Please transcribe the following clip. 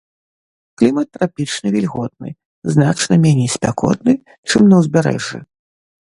Клімат трапічны вільготны, значна меней спякотны, чым на ўзбярэжжы.